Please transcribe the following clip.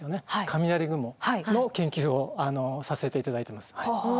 雷雲の研究をさせて頂いてます。